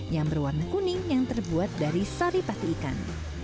yang berwarna kuning yang terbuat dari sari pati ikan